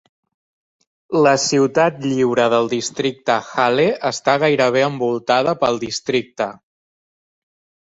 La ciutat lliure del districte Halle està gairebé envoltada pel districte.